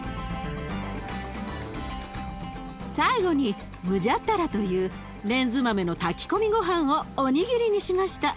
最後にムジャッダラというレンズ豆の炊き込みごはんをおにぎりにしました。